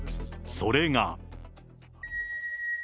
それが。